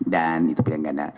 dan itu pilihan ganda